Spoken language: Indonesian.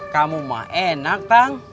kamu mah enak kan